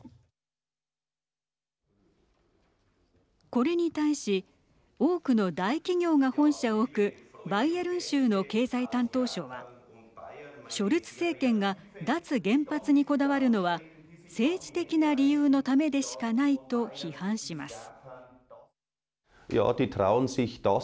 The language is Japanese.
これに対し多くの大企業が本社を置くバイエルン州の経済担当相はショルツ政権が脱原発にこだわるのは政治的な理由のためでしかないと批判します。